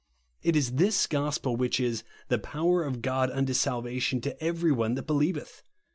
It is this gospel which is " the power of God unto salvation to every one that believeth.